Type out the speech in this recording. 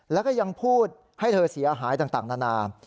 แล้วก็ยังพูดให้เธอเสียหายต่างนานา